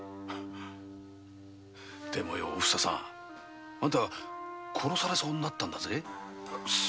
でもよお房さんあんた殺されそうになったんだぜ。